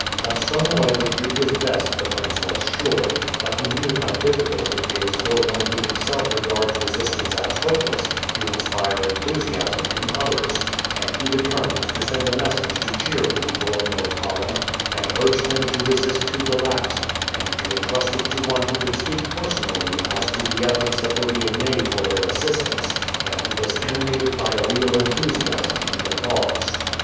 That Sonoy would do his best the prince was sure; but he knew how difficult it is for one who himself regards resistance as hopeless to inspire enthusiasm in others, and he determined to send a message to cheer the people of North Holland, and urge them to resist to the last, and to intrust it to one who could speak personally as to the efforts that were being made for their assistance, and who was animated by a real enthusiasm in the cause.